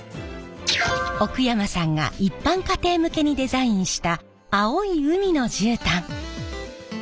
奥山さんが一般家庭向けにデザインした青い海の絨毯。